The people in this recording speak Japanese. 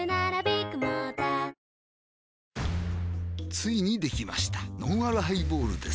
ついにできましたのんあるハイボールです